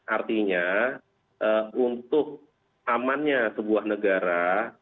artinya untuk amannya sebuah negara